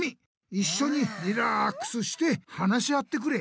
いっしょにリラックスして話し合ってくれ！